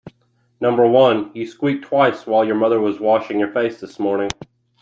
Number one: you squeaked twice while your mother was washing your face this morning.